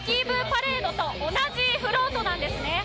パレードと同じフロートなんですね。